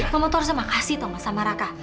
mama tuh harusnya makasih tau gak sama raka